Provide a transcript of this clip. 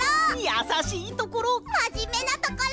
やさしいところ！